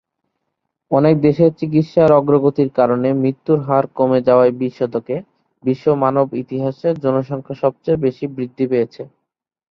অনেক দেশে চিকিৎসার অগ্রগতির কারণে মৃত্যুর হার কমে যাওয়ায় বিশ শতকে, বিশ্ব মানব ইতিহাসে জনসংখ্যা সবচেয়ে বেশি বৃদ্ধি পেয়েছিল।